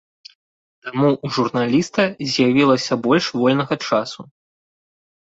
Таму ў журналіста з'явілася больш вольнага часу.